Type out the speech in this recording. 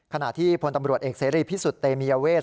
ขณะที่พลตำรวจเอกเสรีพิสุทธิเตมียเวท